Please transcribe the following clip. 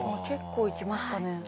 結構いきましたね。